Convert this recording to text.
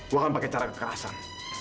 gue akan pakai cara kekerasan